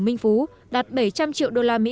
minh phú đạt bảy trăm linh triệu đô la mỹ